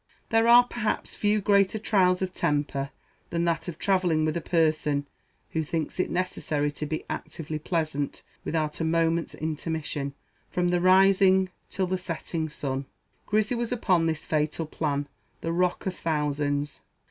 There are perhaps few greater trials of temper than that of travelling with a person who thinks it necessary to be actively pleasant, without a moment's intermission, from the rising till the setting sun. Grizzy was upon this fatal plan, the rock of thousands!